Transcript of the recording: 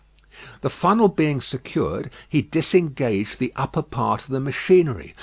The funnel being secured, he disengaged the upper part of the machinery.